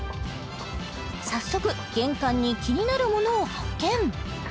早速玄関に気になるものを発見